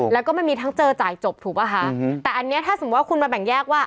แล้วก็มันมีทั้งเจอจ่ายจบถูกป่ะคะแต่อันนี้ถ้าสมมุติว่าคุณมาแบ่งแยกว่า